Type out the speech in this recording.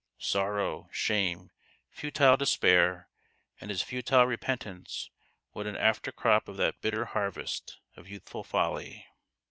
Sorrow, shame, futile despair and as futile repentance what an after crop of that bitter harvest of youthful folly